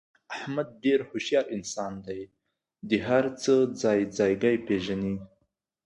احمد ډېر هوښیار انسان دی. دې هر څه ځای ځایګی پېژني.